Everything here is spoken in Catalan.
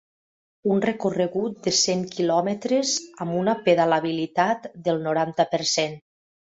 Un recorregut de cent quilòmetres amb una pedalabilitat del noranta per cent.